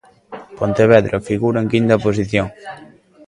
Pontevedra figura en quinta posición.